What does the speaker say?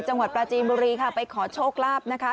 จังหวัดปราจีนบุรีค่ะไปขอโชคลาภนะคะ